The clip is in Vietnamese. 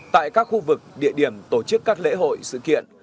tại các khu vực địa điểm tổ chức các lễ hội sự kiện